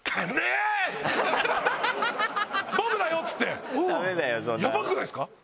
「僕だよ」っつってヤバくないっすか？